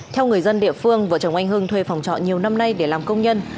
theo người dân địa phương vợ chồng anh hưng thuê phòng trọ nhiều năm nay để làm công nhân